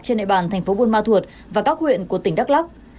trên địa bàn thành phố bùa ma thuật và các huyện của tỉnh đắk lắc